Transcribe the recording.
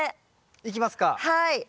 いきますか。